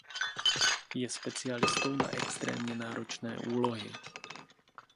Je specialistou na extrémně náročné úlohy.